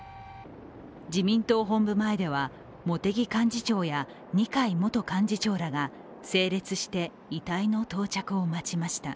自民党本部前では、茂木幹事長や二階元幹事長らが整列して遺体の到着を待ちました。